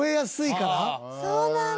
そうなんだ。